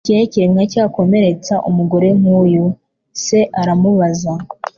Ni ikihe kiremwa cyakomeretsa umugore nkuyu? Se aramubaza.